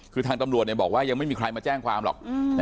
คือทางตำรวจบอกว่ายังไม่มีใครมาแจ้งความหรอก